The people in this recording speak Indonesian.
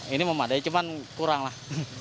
ini memadai cuman kurang lah